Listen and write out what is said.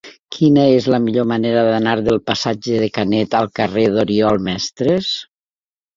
Quina és la millor manera d'anar del passatge de Canet al carrer d'Oriol Mestres?